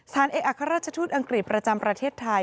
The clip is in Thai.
เอกอัครราชทูตอังกฤษประจำประเทศไทย